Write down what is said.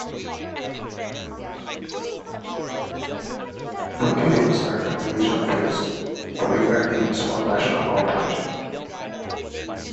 The games at the division phase qualify teams for national competition.